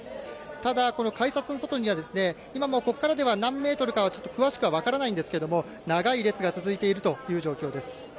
ただこの改札の外には今もここからでは何メートルかちょっと詳しくは分からないんですけれども長い列が続いているという状況です。